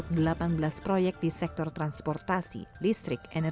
fokus pada kesehatan pendidikan